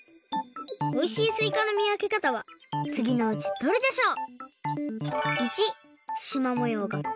おいしいすいかの見分け方はつぎのうちどれでしょう？